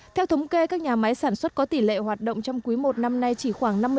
theo thống kê các nhà máy sản xuất có tỷ lệ hoạt động trong quý i năm nay chỉ khoảng năm mươi